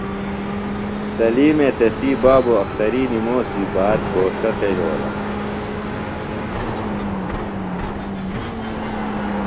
سلیمے تسی بابوۡ اختری نِموسی باد گھوݜٹہ تھےۡ یھولہ۔